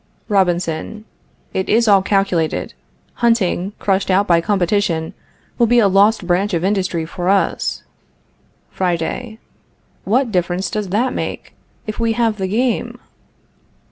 Robinson. It is all calculated. Hunting, crushed out by competition, will be a lost branch of industry for us. Friday. What difference does that make, if we have the game?